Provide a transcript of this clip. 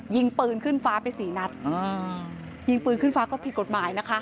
ยิงปืนขึ้นฟ้าไปสี่นัดอ่ายิงปืนขึ้นฟ้าก็ผิดกฎหมายนะคะ